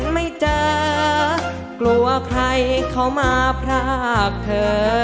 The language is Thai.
ไม่เจอกลัวใครเขามาพรากเธอ